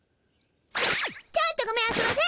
ちょっとごめんあそばせ！